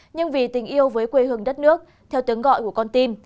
nhưng vì tình yêu với quê hương đất nước theo tiếng gọi của con tim